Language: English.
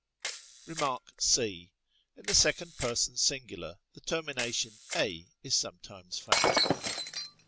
Rem. c. In the second pers. sing. the termination εἰ is sometimes found.